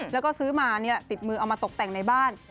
แล้วก็ซื้อมาติดมือเอามาตกแต่งในบ้าน